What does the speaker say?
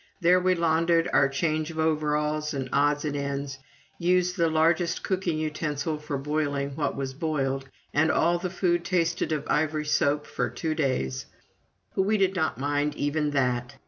There we laundered our change of overalls and odds and ends, using the largest cooking utensil for boiling what was boiled, and all the food tasted of Ivory soap for two days; but we did not mind even that.